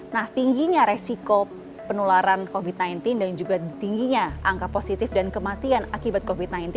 nah tingginya resiko penularan covid sembilan belas dan juga tingginya angka positif dan kematian akibat covid sembilan belas